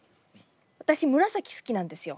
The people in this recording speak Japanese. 私紫好きなんですよ。